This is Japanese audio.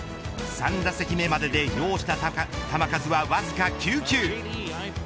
３打席目までで要した球数は、わずか９球。